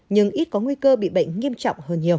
nhưng ít có nguy cơ bị bệnh nghiêm trọng hơn nhiều